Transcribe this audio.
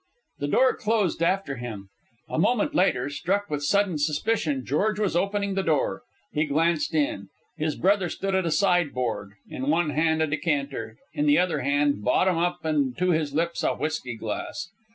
The door closed after him. A moment later, struck with sudden suspicion, George was opening the door. He glanced in. His brother stood at a sideboard, in one hand a decanter, in the other hand, bottom up and to his lips, a whisky glass.